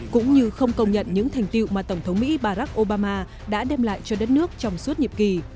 cũng như không công nhận những thành tiệu mà tổng thống mỹ barack obama đã đem lại cho đất nước trong suốt nhiệm kỳ